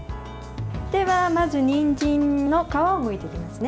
では、まずにんじんの皮をむいていきますね。